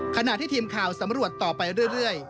ขณะที่ทีมข่าวสำรวจต่อไปเรื่อย